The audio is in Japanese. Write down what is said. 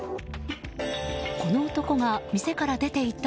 この男が店から出ていった